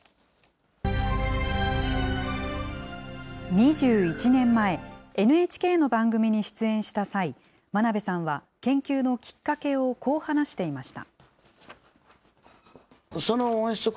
２１年前、ＮＨＫの番組に出演した際、真鍋さんは研究のきっかけをこう話していました。